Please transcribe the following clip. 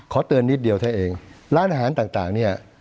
ขอเตือนนิดเดียวให้เองร้านอาหารต่างต่างเนี้ย